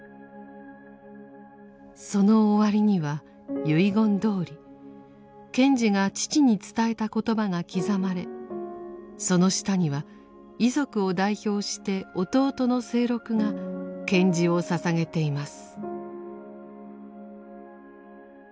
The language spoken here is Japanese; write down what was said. その終わりには遺言どおり賢治が父に伝えた言葉が刻まれその下には遺族を代表して弟の清六が献辞をささげています。